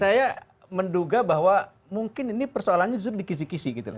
saya menduga bahwa mungkin ini persoalannya justru dikisi kisi gitu loh